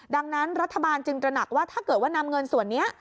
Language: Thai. ดังนั้นรัฐบาลจึงตระหนักว่าถ้าเกิดว่านำเงินส่วนนี้